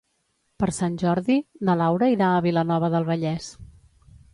Per Sant Jordi na Laura irà a Vilanova del Vallès.